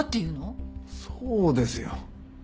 そうですよ。